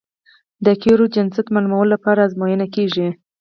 د قیرو جنسیت معلومولو لپاره ازموینې کیږي